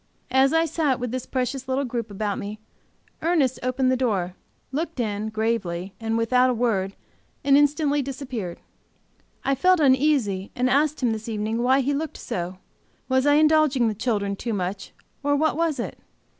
As I sat with this precious little group about me, Ernest opened the door, looked in, gravely and without a word, and instantly disappeared. I felt uneasy and asked him, this evening, why he looked so. Was I indulging the children too much, or what was it?